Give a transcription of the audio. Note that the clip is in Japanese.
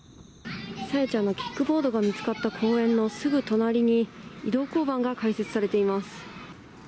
朝芽ちゃんのキックボードが見つかった公園のすぐ隣に、移動交番が開設されています。